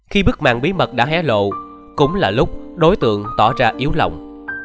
khi bước mạng bí mật đã hé lộ cũng là lúc đối tượng tỏ ra yếu lòng